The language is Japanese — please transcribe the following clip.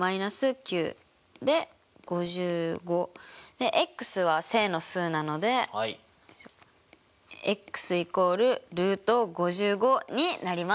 でｘは正の数なのでになります！